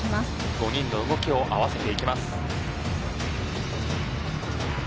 ５人が動きを合わせていきます。